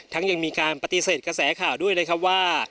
ยังมีการปฏิเสธกระแสข่าวด้วยนะครับว่า